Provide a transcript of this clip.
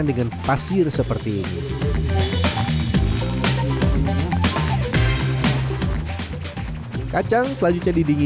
sangannya itu wajahnya itu sudah pada ini